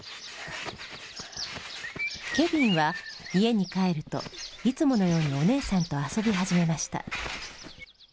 ケビンは家に帰るといつものようにお姉さんと遊び始めました。